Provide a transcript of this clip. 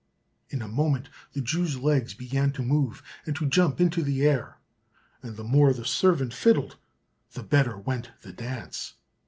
In a moment the Jew's legs began to move, and to jump into the air, and the more the servant fiddled the better went the dance.